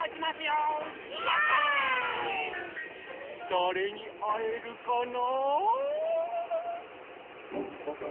だれにあえるかな？